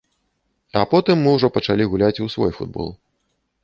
А потым мы ўжо пачалі гуляць у свой футбол.